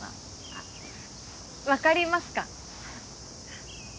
あっ分かりますか？